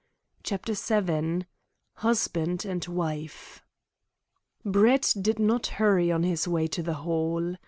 CHAPTER VII HUSBAND AND WIFE Brett did not hurry on his way to the Hall.